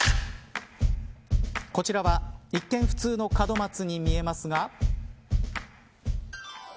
こちらは一見普通の門松に見えますが。